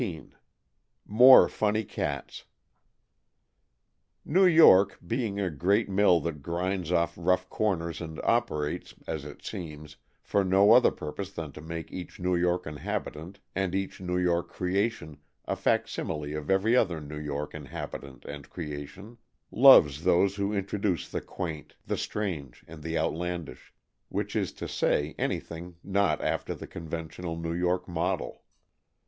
XVIII. MORE FUNNY CATS NEW YORK, being a great mill that grinds off rough corners and operates, as it seems, for no other purpose than to make each New York inhabitant and each New York creation a facsimile of every other New York inhabitant and creation, loves those who introduce the quaint, the strange and the outlandish which is to say, anything not after the conventional New York model.